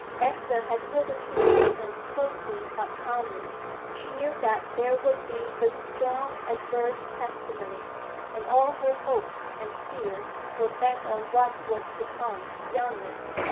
Esther had hitherto listened closely but calmly. She knew that there would be this strong adverse testimony; and all her hopes and fears were bent on what was to come beyond it.